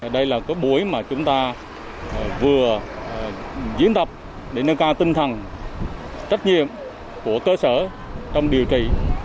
đây là buổi mà chúng ta vừa diễn tập để nâng cao tinh thần trách nhiệm của cơ sở trong điều trị